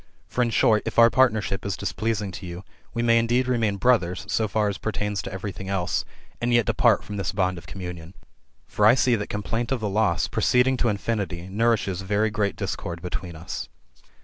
For in short, if our partnership is displeasing to you, we may indeed remain brothers so far as pertains to every thing else, and yet depart from this bond of communion. For I see that complaint of the loss, proceeding to infinity, nourishes very great discord between us."